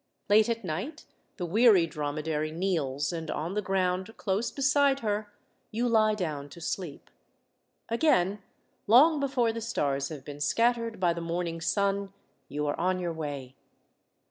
Late at night the weary dromedary kneels, and on the ground, close beside her, you lie down to sleep. Again, long before the stars have been scattered by the morning sun, you are on your way.